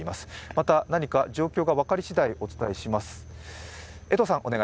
また何か状況が分かり次第、お伝えします。